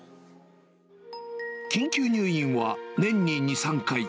緊急入院は年に２、３回。